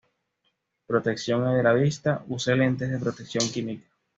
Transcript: Protección de la vista: Use lentes de protección química.